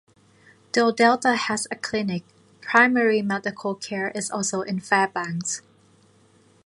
Though Delta has a clinic, primary medical care is also in Fairbanks.